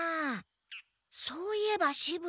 そういえばしぶ鬼。